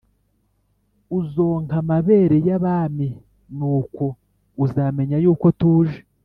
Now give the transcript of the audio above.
uzonka amabere y abami Nuko uzamenya yuko tuje